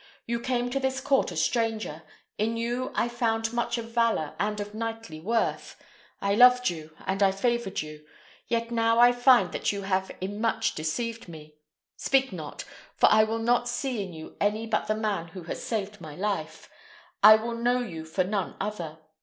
You came to this court a stranger; in you I found much of valour and of knightly worth. I loved you, and I favoured you; yet now I find that you have in much deceived me. Speak not, for I will not see in you any but the man who has saved my life; I will know you for none other.